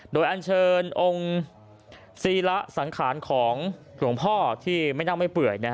โดยอันเชิญองค์ศิละสังขารของหลวงพ่อที่ไม่เน่าไม่เปื่อย